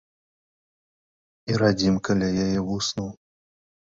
І радзімка ля яе вуснаў.